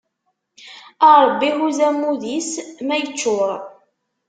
A Ṛebbi, huzz ammud-is ma iččuṛ!